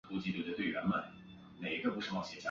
樊一蘅是宜宾人。